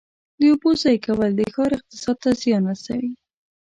د اوبو ضایع کول د ښار اقتصاد ته زیان رسوي.